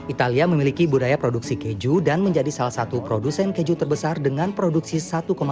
italia memiliki budaya produksi keju dan menjadi salah satu produsen keju terbesar dengan produksi satu lima